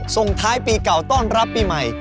ส่งท้ายปีเก่าต้อนรับปีใหม่